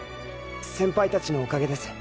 先輩達のおかげです。